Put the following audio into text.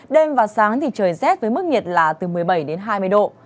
đêm và sáng thì trời rét với mức nhiệt là từ một mươi bảy đến hai mươi độ